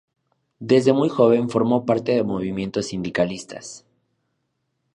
Desde muy joven formó parte de movimientos sindicalistas.